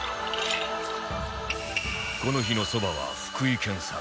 この日の蕎麦は福井県産